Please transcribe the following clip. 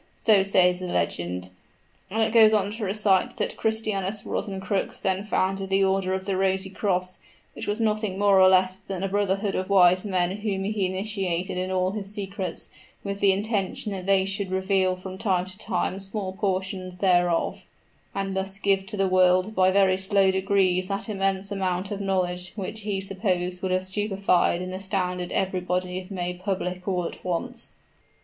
So says the legend; and it goes on to recite that Christianus Rosencrux then founded the order of the Rosy Cross, which was nothing more or less than a brotherhood of wise men whom he initiated in all his secrets, with the intention that they should reveal from time to time small portions thereof, and thus give to the world by very slow degrees that immense amount of knowledge which he supposed would have stupefied and astounded everybody if made public all at once."